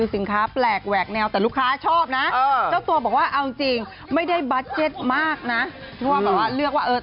หรือแบบแจ๊กก็แบบถ้างานอะไรเข้ามาคือแบบ